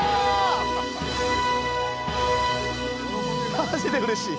マジでうれしい。